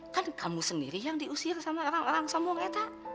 kan kamu sendiri yang diusir sama orang orang sombong ya teh